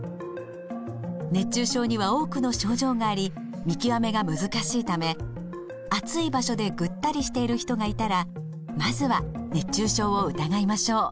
熱中症には多くの症状があり見極めが難しいため暑い場所でぐったりしている人がいたらまずは熱中症を疑いましょう。